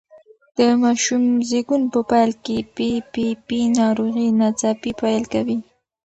د ماشوم زېږون په پیل کې پي پي پي ناروغي ناڅاپي پیل کوي.